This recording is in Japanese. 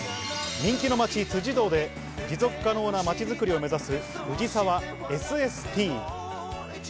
人気の街・辻堂で持続可能な街づくりを目指すＦｕｊｉｓａｗａＳＳＴ。